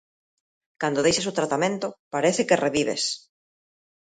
Cando deixas o tratamento parece que revives.